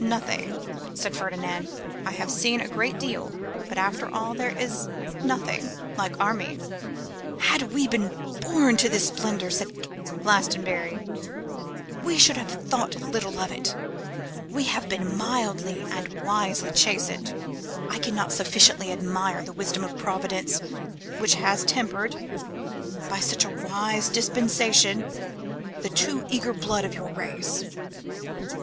'Nothing,' said Ferdinand; 'I have seen a great deal, but after all there is nothing like Armine.' 'Had we been born to this splendour,' said Glastonbury, 'we should have thought little of it. We have been mildly and wisely chastened. I cannot sufficiently admire the wisdom of Providence, which has tempered, by such a wise dispensation, the too eager blood of your race.